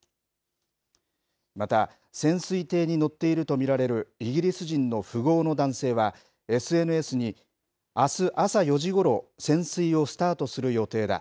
また、潜水艇に乗っていると見られるイギリス人の富豪の男性はＳＮＳに、あす朝４時ごろ、潜水をスタートする予定だ。